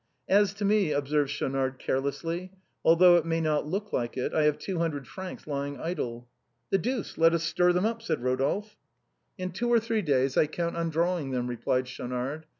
As to me," observed Schaunard, carelessly, " although it may not look like it, I have two hundred francs lying idle." " The deuce, let us stir them up," said Eodolphe. " In two or three days I count on drawing them," replied Schaunard.